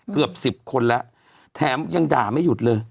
เกือบ๑๐คนแล้วแถมยังด่าไม่หยุดเลย